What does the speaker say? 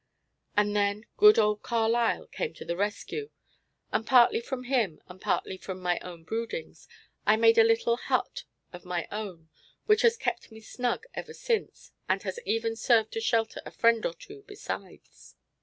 And then good old Carlyle came to the rescue; and partly from him, and partly from my own broodings, I made a little hut of my own, which has kept me snug ever since, and has even served to shelter a friend or two besides.